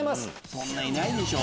そんないないでしょ。